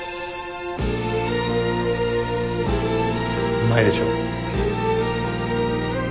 うまいでしょ？